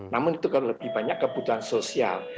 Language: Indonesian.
namun itu kan lebih banyak kebutuhan sosial